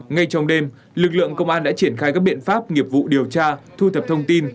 ngay trong đêm lực lượng công an đã triển khai các biện pháp nghiệp vụ điều tra thu thập thông tin